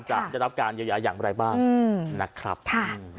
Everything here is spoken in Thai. จะรับการเยียวยาอย่างไรบ้างนะครับค่ะอ่ะ